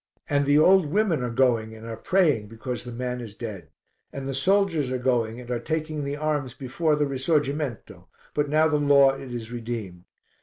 And the old women are going and are praying because the man is dead: and the soldiers are going and are taking the arms before the risorgimento, but now the law it is redeemed.